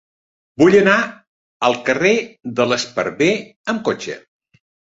Vull anar al carrer de l'Esparver amb cotxe.